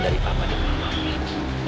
dari mama di rumah